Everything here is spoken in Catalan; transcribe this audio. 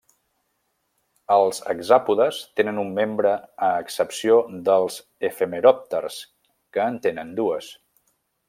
Els hexàpodes tenen un membre a excepció dels efemeròpters que en tenen dues.